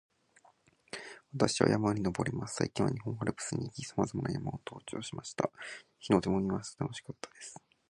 私は山に登ります。最近は日本アルプスに行き、さまざまな山を登頂しました。日の出も見ました。楽しかったです